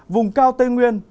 vùng cao tây nguyên